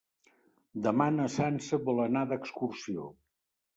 Demà na Sança vol anar d'excursió.